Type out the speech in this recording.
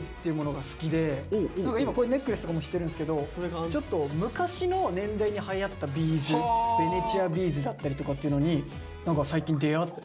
今こういうネックレスとかもしてるんですけどちょっと昔の年代にはやったビーズベネチアビーズだったりとかっていうのに何か最近出会って。